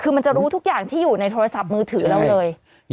คือมันจะรู้ทุกอย่างที่อยู่ในโทรศัพท์มือถือเราเลย